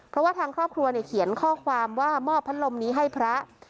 เพราะว่าทางครอบครัวเขียนข้อความว่ามอบพัดลมนี้ให้พระ